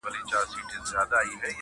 خود به د حالاتو سره جنګ کيیار ګټي میدان